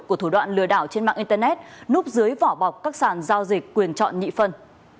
của thủ đoạn lừa đảo trên mạng internet núp dưới vỏ bọc các sàn giao dịch quyền chọn nhị phân